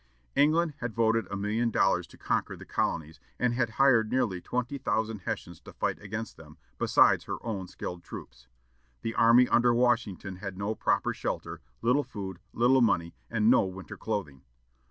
England had voted a million dollars to conquer the colonies, and had hired nearly twenty thousand Hessians to fight against them, besides her own skilled troops. The army under Washington had no proper shelter, little food, little money, and no winter clothing.